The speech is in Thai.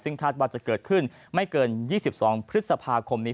ซึ่งคาดว่าจะเกิดขึ้นไม่เกิน๒๒พฤษภาคมนี้